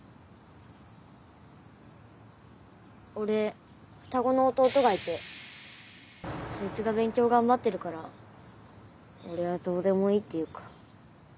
俺双子の弟がいてそいつが勉強頑張ってるから俺はどうでもいいっていうか。